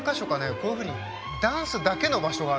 こういうふうにダンスだけの場所があるの。